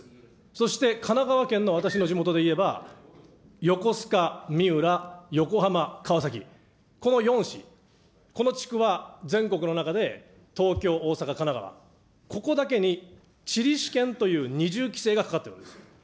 そして神奈川県の私の地元で言えば、横須賀、三浦、横浜、川崎、この４市、この地区は、全国の中で東京、大阪、神奈川、ここだけに地理試験という二重規制がかかっているんです。